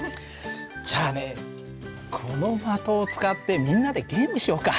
じゃあねこの的を使ってみんなでゲームしようか。